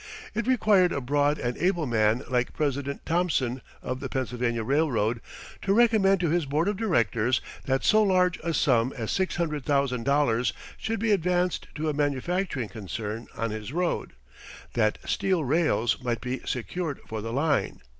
It required a broad and able man like President Thomson, of the Pennsylvania Railroad, to recommend to his board of directors that so large a sum as six hundred thousand dollars should be advanced to a manufacturing concern on his road, that steel rails might be secured for the line.